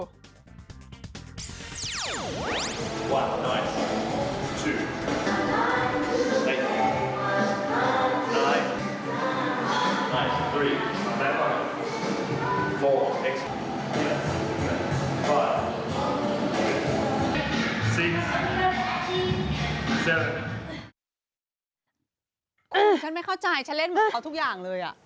ฉันไม่เข้าใจฉันเล่นเหมือนเขาทุกอย่างเลย